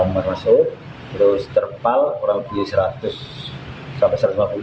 masuk terus terpal kurang lebih seratus sampai satu ratus lima puluh